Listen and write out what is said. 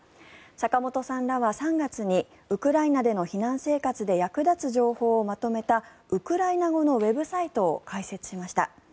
坂本さんらは３月にウクライナでの避難生活で役立つ情報をまとめたウクライナ語のウェブサイトを開設しました。